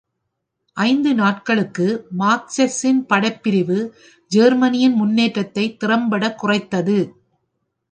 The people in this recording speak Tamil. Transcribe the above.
ஐந்து நாட்களுக்கு மாக்ஸெக்கின் படைப்பிரிவு ஜெர்மனியின் முன்னேற்றத்தை திறம்பட குறைத்தது.